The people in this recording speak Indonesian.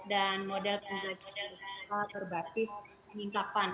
dan model pembelajaran bahasa berbasis peningkapan